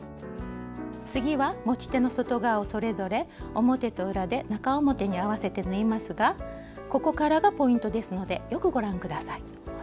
次は持ち手の外側をそれぞれ表と裏で中表に合わせて縫いますがここからがポイントですのでよくご覧下さい。